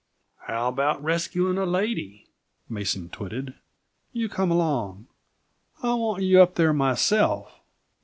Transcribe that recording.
"How about rescuing a lady?" Mason twitted. "You come along. I want you up there myself.